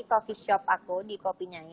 coffee shop aku di kopinyangi